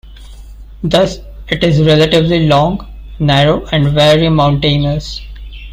Thus, it is relatively long, narrow, and very mountainous.